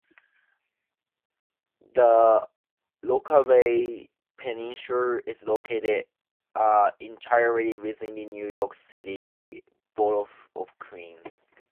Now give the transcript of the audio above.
The Rockaway Peninsula is located entirely within the New York City borough of Queens.